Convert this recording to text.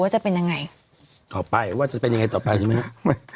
จะเป็นยังไงต่อไปว่าจะเป็นยังไงต่อไปใช่ไหมครับ